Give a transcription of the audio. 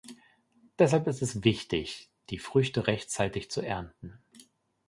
Deshalb ist es wichtig, die Früchte rechtzeitig zu ernten.